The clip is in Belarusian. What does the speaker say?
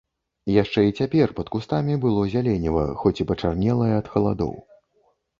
Яшчэ і цяпер пад кустамі было зяленіва, хоць і пачарнелае ад халадоў.